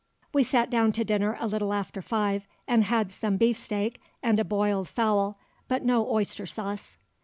We sat down to dinner a little after five, and had some beefsteak and a boiled fowl, but no oyster sauce."